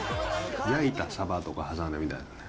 焼いたサバとか挟んでみたいね。